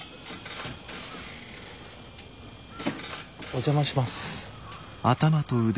お邪魔します。